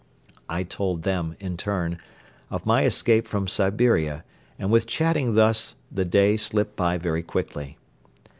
I told them, in turn, of my escape from Siberia and with chatting thus the day slipped by very quickly.